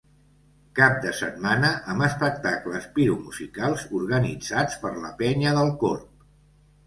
Cap de setmana amb espectacles piromusicals, organitzats per la Penya del Corb.